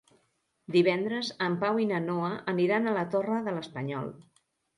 Divendres en Pau i na Noa aniran a la Torre de l'Espanyol.